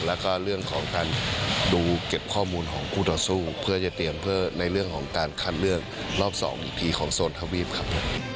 แล้วก็เรื่องของการดูเก็บข้อมูลของคู่ต่อสู้เพื่อจะเตรียมเพื่อในเรื่องของการคัดเลือกรอบ๒อีกทีของโซนทวีปครับ